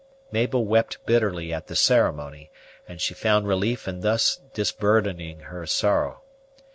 Mabel wept bitterly at the ceremony, and she found relief in thus disburthening her sorrow.